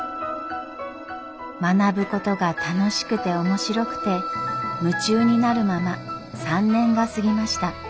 学ぶことが楽しくて面白くて夢中になるまま３年が過ぎました。